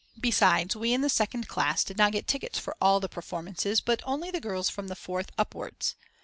Besides we in the second class did not get tickets for all the performances, but only the girls from the Fourth upwards.